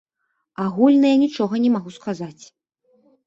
Агульна я нічога не магу сказаць.